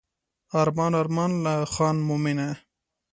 ارمان ارمان لا خان مومنه.